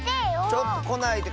ちょっとこないで。